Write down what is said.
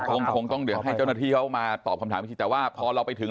คงต้องเดี๋ยวให้เจ้าหน้าที่เขามาตอบคำถามอีกทีแต่ว่าพอเราไปถึง